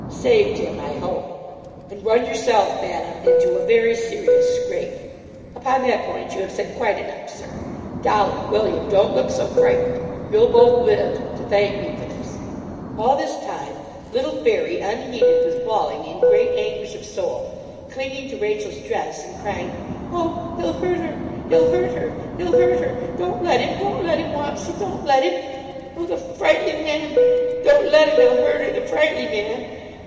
'Saved him, I hope.' 'And run yourself, Madam, into a very serious scrape.' 'Upon that point you have said quite enough, Sir. Dolly, William, don't look so frightened; you'll both live to thank me for this.' All this time little Fairy, unheeded, was bawling in great anguish of soul, clinging to Rachel's dress, and crying 'Oh! he'll hurt her he'll hurt her he'll hurt her. Don't let him don't let him. Wapsie, don't let him. Oh! the frightle man! don't let him he'll hurt her the frightle man!'